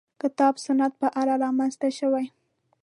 کتاب سنت په اړه رامنځته شوې.